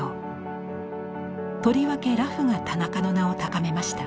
とりわけ裸婦が田中の名を高めました。